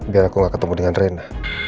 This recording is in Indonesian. gak ketemu dengan nrena